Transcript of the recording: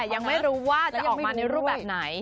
ยังไม่รู้ว่าจะออกมาในรูปแบบไหน